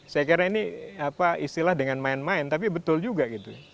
saya kira ini apa istilah dengan main main tapi betul juga gitu